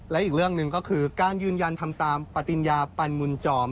และอีกเรื่องหนึ่งก็คือการยืนยันทำตามปฏิญญาปันมุนจอม